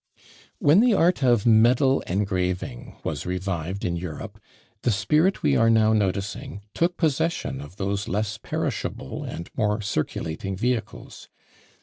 When the art of medal engraving was revived in Europe, the spirit we are now noticing took possession of those less perishable and more circulating vehicles.